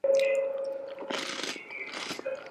دوی د هرات په سيمه کې خپل نوی ژوند پيل کړ.